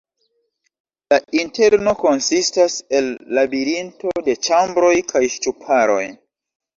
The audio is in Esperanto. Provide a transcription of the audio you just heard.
La interno konsistas el labirinto de ĉambroj kaj ŝtuparoj.